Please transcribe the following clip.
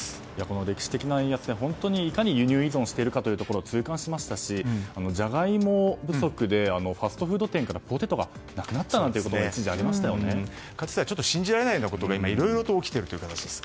歴史的な円安でいかに輸入依存しているかを痛感しましたしジャガイモ不足でファストフード店からポテトがなくなったこともかつては信じられないようなことが今、いろいろと起きているという形です。